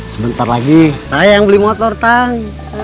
sebentar lagi saya yang beli motor tang